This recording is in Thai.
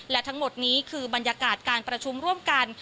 และทั้งหมดนี้คือบรรยากาศการประชุมร่วมกัน